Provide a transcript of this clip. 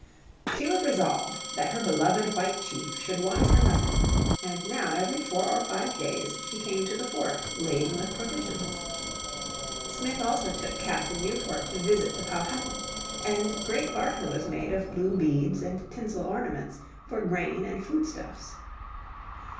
She was resolved that her beloved white chief should want for nothing, and now every four or five days she came to the fort laden with provisions. Smith also took Captain Newport to visit the Powhatan, and great barter was made of blue beads and tinsel ornaments for grain and foodstuffs.